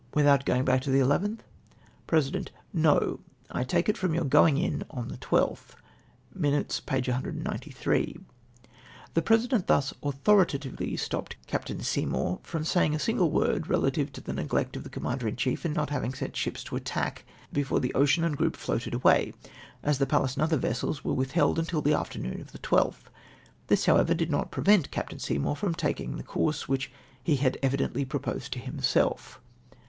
— "Without going back to the ll^/t?" President.^ —" No !/ take it from your going in on the I2th:' {Minutes, p. 193.) The President thus authoritatively stopped Captain Seymour from saying a single word relative to the neoflect of the Commander in chief in not havino sent ships to the attack before the Ocean and group floated away, as the Pallas and the other vessels were with held until the afternoon of the 12th. This, however, did not prevent Captain Seymour from taking tlie course Yvhich he had evidently proposed to himself.